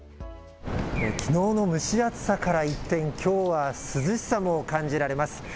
きのうの蒸し暑さから一転、きょうは涼しさも感じられます。